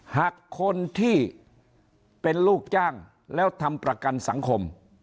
หากคนที่เป็นลูกจ้างแล้วทำประกันสังคม